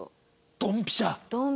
ドンピシャ。